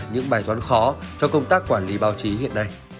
những bài toán khó cho công tác quản lý báo chí hiện nay